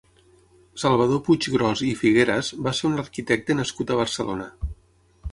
Salvador Puiggròs i Figueras va ser un arquitecte nascut a Barcelona.